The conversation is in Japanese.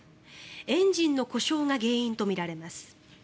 エンジンの故障が原因とみられます。